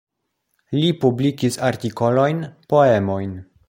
Li publikis artikolojn, poemojn.